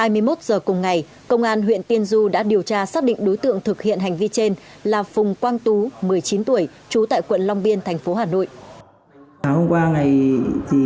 hai mươi một giờ cùng ngày công an huyện tiên du đã điều tra xác định đối tượng thực hiện hành vi trên là phùng quang tú một mươi chín tuổi trú tại quận long biên thành phố hà nội